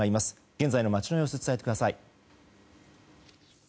現在の町の様子伝えてください。